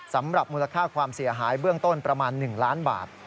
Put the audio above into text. สำหรับมูลค่าความเสียหายเบื้องต้นประมาณ๑ล้านบาท